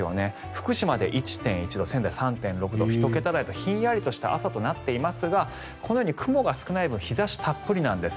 福島で１．１度仙台、３．６度１桁台とひんやりとした朝となっていますがこのように雲が少ない分日差したっぷりなんです。